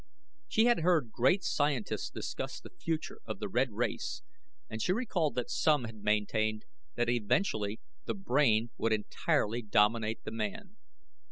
She had heard great scientists discuss the future of the red race and she recalled that some had maintained that eventually the brain would entirely dominate the man.